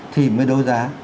thì mới đấu giá